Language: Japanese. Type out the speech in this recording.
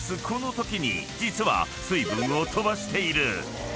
このときに実は水分を飛ばしている］